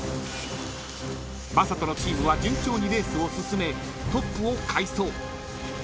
［正人のチームは順調にレースを進めトップを快走］